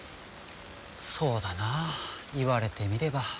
そうだなあ言われてみれば。